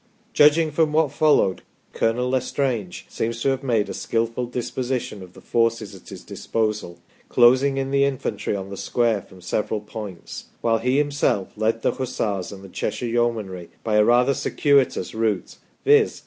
Judging from what followed, Colonel L' Estrange seems to have made a skilful disposition of the forces at his disposal, closing in the infantry on the square from several points, while he himself led the Hussars and the Cheshire Yeomanry by a rather circuitous route, viz.